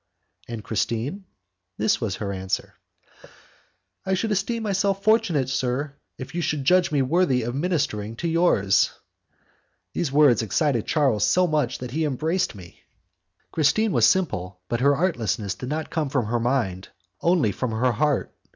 And Christine? This was her answer: "I should esteem myself fortunate, sir, if you should judge me worthy of ministering to yours." These words excited Charles so much that he embraced me! Christine was simple, but her artlessness did not come from her mind, only from her heart.